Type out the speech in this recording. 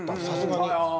さすがに。